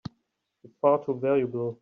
You're far too valuable!